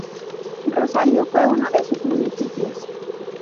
Rosario fue uno de sus municipios.